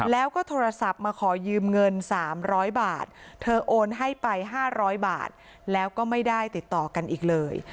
แล้วก็โทรศัพท์มาขอยืมเงิน๓๐๐บาทเธอโอนให้ไป๕๐๐บาทแล้วก็ไม่ได้ติดต่อกันอีกเลย